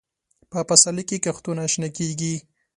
په پسرلي کې کښتونه شنه کېږي.